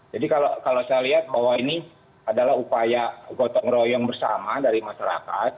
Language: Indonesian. jadi kalau saya lihat bahwa ini adalah upaya gotong royong bersama dari masyarakat